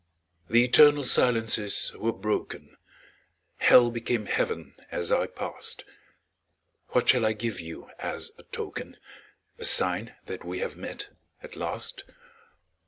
The eternal silences were broken; Hell became Heaven as I passed. What shall I give you as a token, A sign that we have met, at last?